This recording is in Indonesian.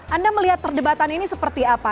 anda melihat perdebatan ini seperti apa